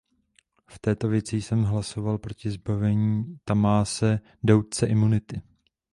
V této věci jsem hlasoval proti zbavení Tamáse Deutsche imunity.